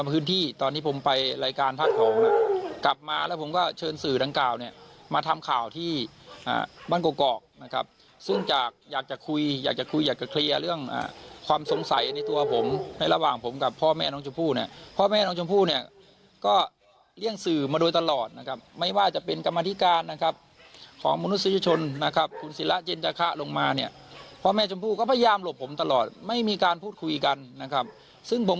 พื้นที่ตอนที่ผมไปรายการพัดของน่ะกลับมาแล้วผมก็เชิญสื่อดังกล่าวเนี้ยมาทำข่าวที่อ่าบ้านเกาะเกาะนะครับซึ่งจากอยากจะคุยอยากจะคุยอยากจะเคลียร์เรื่องอ่าความสงสัยในตัวผมในระหว่างผมกับพ่อแม่น้องชมพูเนี้ยพ่อแม่น้องชมพูเนี้ยก็เลี่ยงสื่อมาโดยตลอดนะครับไม่ว่าจะเป็นกรรมธิการนะครับของม